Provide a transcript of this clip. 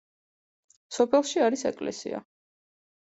სოფელში არის ეკლესია.